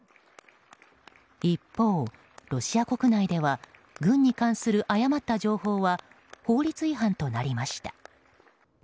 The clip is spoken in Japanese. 一方、ロシア国内では軍に関する誤った情報は法律違反となりました。